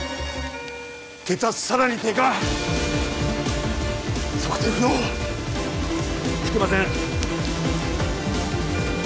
血圧さらに低下測定不能引けません